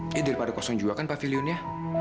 eh daripada kosong juga kan pavilionnya